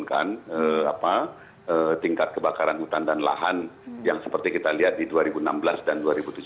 tidak sejak dua ribu lima belas kita terus menurunkan tingkat kebakaran hutan dan lahan yang seperti kita lihat di dua ribu enam belas dan dua ribu tujuh belas